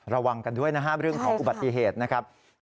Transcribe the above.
ระวังกันด้วยนะครับเรื่องของอุบัติเหตุนะครับ